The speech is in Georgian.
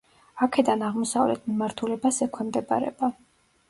აქედან აღმოსავლეთ მიმართულებას ექვემდებარება.